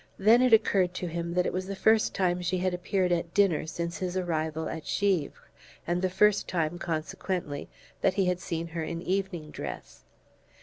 Then it occurred to him that it was the first time she had appeared at dinner since his arrival at Givre, and the first time, consequently, that he had seen her in evening dress.